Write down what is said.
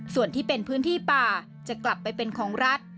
ส่วนที่เป็นพื้นที่ป่าจะกลับไปเป็นของรัฐ